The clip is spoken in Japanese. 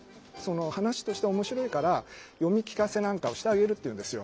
「話として面白いから読み聞かせなんかをしてあげる」って言うんですよ。